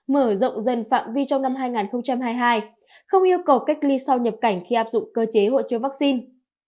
mở rộng dần phạm vi trong năm hai nghìn hai mươi hai không yêu cầu cách ly sau nhập cảnh khi áp dụng cơ chế hội chứa vaccine